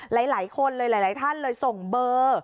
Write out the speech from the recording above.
หลายคนเลยหลายท่านเลยส่งเบอร์